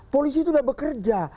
polisi itu udah bekerja